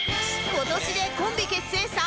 今年でコンビ結成３０年！